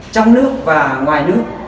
trong nước và ngoài nước